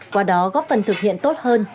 qua đó góp phần thực hiện tốt hơn